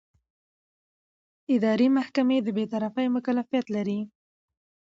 اداري محکمې د بېطرفۍ مکلفیت لري.